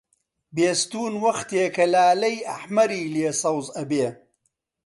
بێستوون وەختێ کە لالەی ئەحمەری لێ سەوز ئەبێ